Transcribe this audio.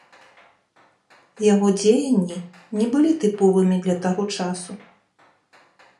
Яго дзеянні не былі тыповымі для таго часу.